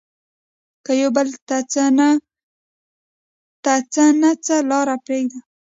که يو بل ته څه نه څه لار پرېږدي